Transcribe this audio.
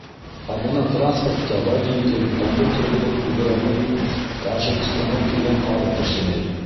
Ә бына транспортта водитель, кондуктор булып күберәген Тажикстандан килгән халыҡ эшләй.